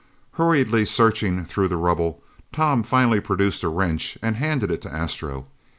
Hurriedly searching through the rubble, Tom finally produced a wrench and handed it to Astro.